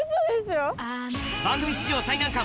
番組史上最難関